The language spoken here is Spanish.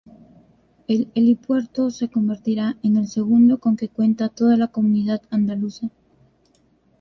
El helipuerto se convertirá en el segundo con que cuenta toda la comunidad andaluza.